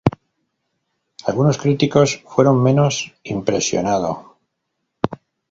Algunos críticos fueron menos impresionado.